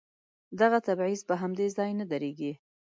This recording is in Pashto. دغه تبعيض په همدې ځای نه درېږي.